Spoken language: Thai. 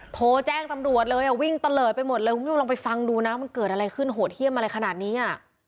โทรแจ้งตำรวจเลยวิ่งเตลอดไปหมดเลยลองไปฟังดูนะมันเกิดอะไรขึ้นโหดเฮียมอะไรขนาดนี้อ่ะ